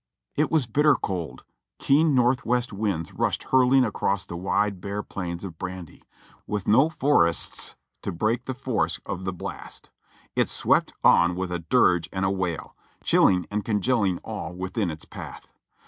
It was bitter cold ; keen northwest winds rushed hurling across the wide, bare plains of Brandy, with no forests to break the force of the blast ; it swept on with a dirge and a wail, chilling and congealing all within its path.